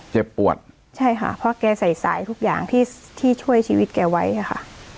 เจ็บปวดใช่ค่ะเพราะแกใส่สายทุกอย่างที่ที่ช่วยชีวิตแกไว้ค่ะ